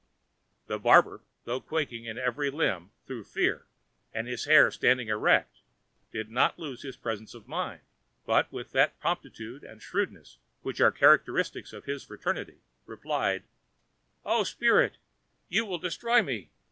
The barber, though quaking in every limb through fear, and his hair standing erect, did not lose his presence of mind, but, with that promptitude and shrewdness which are characteristic of his fraternity, replied, "O spirit, you will destroy me!